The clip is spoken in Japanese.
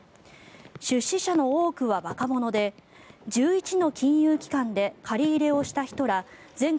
出資者の多くは若者で１１の金融機関で借り入れをした人ら全国